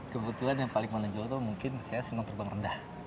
kebetulan yang paling menonjol itu mungkin saya senang terbang rendah